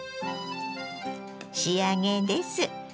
仕上げです。